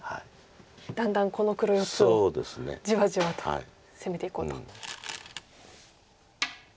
だんだんこの黒４つをじわじわと攻めていこうと。